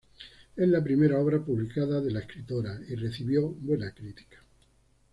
Es la primera obra publicada de la escritora y recibió buena crítica.